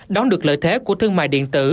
đón được lợi thế của thương mại điện tử